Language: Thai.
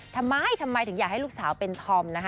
ทำไมทำไมถึงอยากให้ลูกสาวเป็นธอมนะคะ